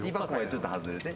ちょっと外れて。